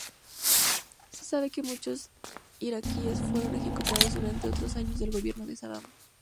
Se sabe que muchos iraquíes fueron ejecutados durante otros años del gobierno de Saddam.